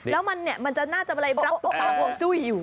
แล้วมันน่าจะรับอุธานหัวจุ้ยอยู่